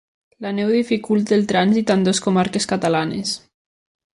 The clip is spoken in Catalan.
La neu dificulta el trànsit en dues comarques catalanes.